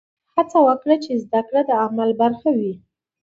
هڅه وکړه چې زده کړه د عمل برخه وي.